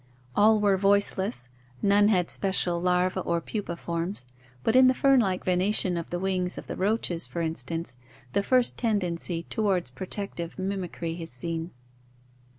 All were voiceless, none had special larva or pupa forms, but in the fern like venation of the wings of the roaches, for instance, the first tendency toward protective mimi cry is seen.